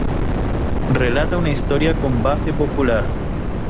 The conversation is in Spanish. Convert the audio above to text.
Relata una historia con base popular.